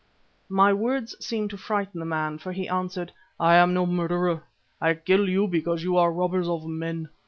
My words seemed to frighten the man, for he answered: "I am no murderer. I kill you because you are robbers of men.